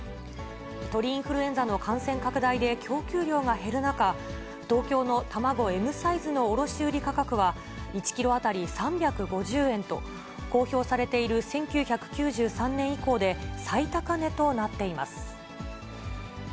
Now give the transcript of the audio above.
鳥インフルエンザの感染拡大で、供給量が減る中、東京の卵Ｍサイズの卸売り価格は１キロ当たり３５０円と、公表されている１９９３年以降で最高値となっています。